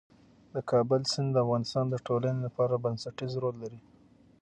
د کابل سیند د افغانستان د ټولنې لپاره بنسټيز رول لري.